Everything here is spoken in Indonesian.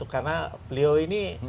karena beliau ini